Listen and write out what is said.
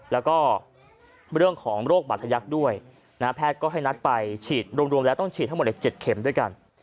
แล้วก็เรื่องของโรคบัตรทยักษ์ด้วยแพทย์ก็ให้นัดไปฉีดรวมแล้วต้องฉีดทั้งหมด๗เข็มด้วยกัน